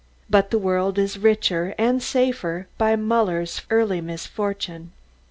But the world is richer, and safer, by Muller's early misfortune.